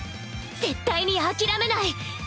絶対に諦めない。